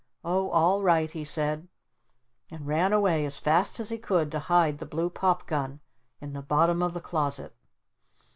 "Oh all right!" he said and ran away as fast as he could to hide the blue pop gun in the bottom of the closet.